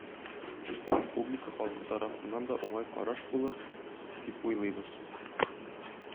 Республика халкы тарафыннан да уңай караш булыр, дип уйлыйбыз.